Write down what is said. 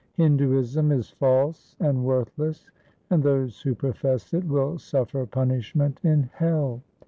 Hinduism is false and worthless, and those who profess it will suffer punishment in hell.